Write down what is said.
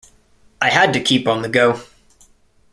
I had to keep on the go.